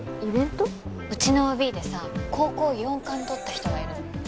うちのＯＢでさ高校４冠とった人がいるの。